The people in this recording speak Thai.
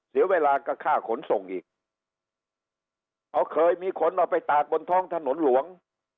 เสียเวลากับค่าขนส่งอีกเขาเคยมีคนเอาไปตากบนท้องถนนหลวง